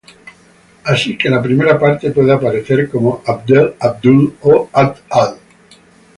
Así que la primera parte puede aparecer como Abdel, Abdul o Abd-al.